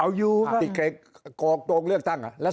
เอายูครับ